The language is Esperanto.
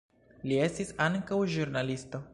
Li estis ankaŭ ĵurnalisto.